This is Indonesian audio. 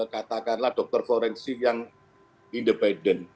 katakanlah dokter forensik yang independen